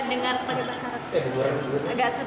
dengar perkembangan arab